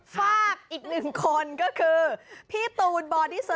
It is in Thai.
ฝากอีกหนึ่งคนก็คือ